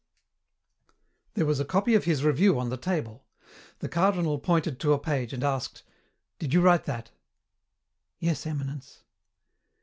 "There was a copy of his review on the table. The Cardinal pointed to a page and asked, 'Did you write that?' "'Yes, Eminence.'